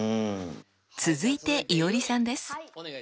続いていおりさんです。